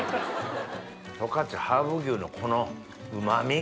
十勝ハーブ牛のこの旨味。